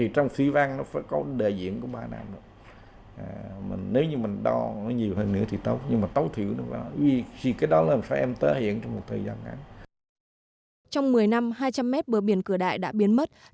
trong một mươi năm hai trăm linh mét bờ biển cửa đại đã biến mất